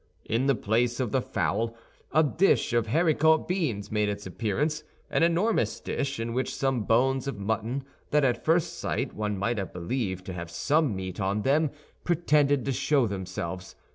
In the place of the fowl a dish of haricot beans made its appearance—an enormous dish in which some bones of mutton that at first sight one might have believed to have some meat on them pretended to show themselves.